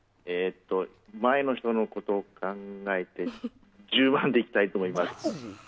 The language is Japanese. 前の人のことを考えて１０万でいきたいと思います。